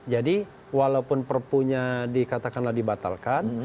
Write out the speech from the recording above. jadi walaupun perpuhnya dikatakanlah dibatalkan